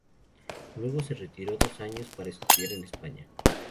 Luego se retiró dos años para estudiar en España.